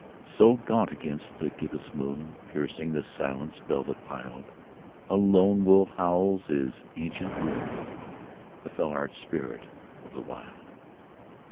So gaunt against the gibbous moon, Piercing the silence velvet piled, A lone wolf howls his ancient rune— The fell arch spirit of the Wild.